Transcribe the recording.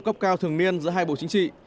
cấp cao thường niên giữa hai bộ chính trị